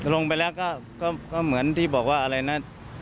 ลงไปแล้วก็เหมือนที่บอกว่าอะไรนะ